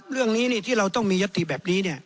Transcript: เรื่องนี้ที่เราต้องมียติแบบนี้